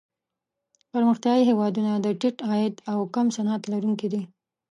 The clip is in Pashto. پرمختیايي هېوادونه د ټیټ عاید او کم صنعت لرونکي دي.